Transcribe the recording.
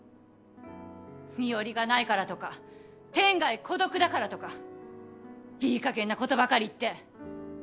身寄りがないからとか天涯孤独だからとかいいかげんなことばかり言って。